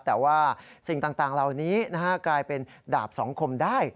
แต่ว่าสิ่งต่างเหล่านี้กลายเป็นดาบสองคมได้